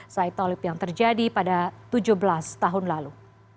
saitaulip yang terjadi pada tujuh belas tahun lalu